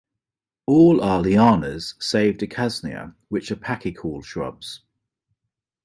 All are lianas, save "Decaisnea", which are pachycaul shrubs.